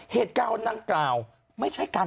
เหตุการณ์ดังกล่าวไม่ใช่การ